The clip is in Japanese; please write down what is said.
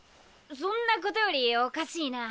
そんなことよりおかしいなぁ。